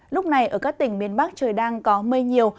lúc này ở các tỉnh miền bắc trời đang có mây nhiều